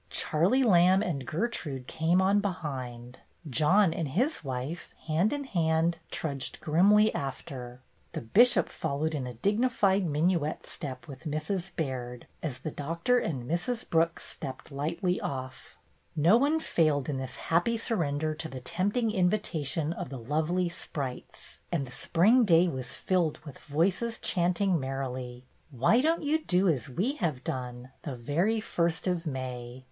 Charlie Lamb and Gertrude came on behind; John and his wife, hand in hand, trudged grimly after; the Bishop fol lowed in a dignified minuet step with Mrs. Baird, as the Doctor and Mrs. Brooks stepped lightly off. No one failed in this happy sur render to the tempting invitation of the lovely sprites, and the spring day was filled with voices chanting merrily: " Why don't you do as we have done, The very first of May